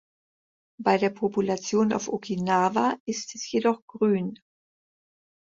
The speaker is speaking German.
Bei der Population auf Okinawa ist es jedoch grün.